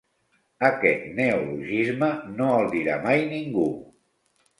Aquest neologisme no el dirà mai ningú.